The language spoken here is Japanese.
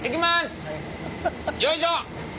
よいしょ！